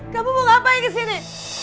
kamu mau ngapain kesini